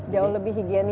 jauh lebih higienis